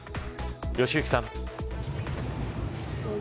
良幸さん。